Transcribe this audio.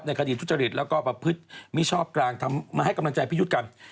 คดีทุจริตแล้วก็ประพฤติมิชอบกลางมาให้กำลังใจพี่ยุทธ์กัน